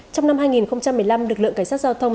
trong năm hai nghìn một mươi năm lực lượng cảnh sát giao thông